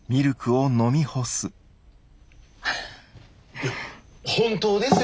いや本当ですよ